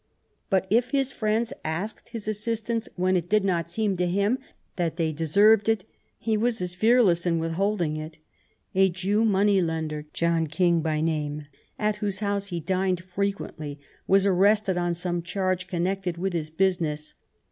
But if his friends asked his assistance when it did not seem to him that they de served it, he was as fearless in withholding it. A Jew money lender, John King by name, at whose house he dined frequently, was arrested on some charge connected with his business.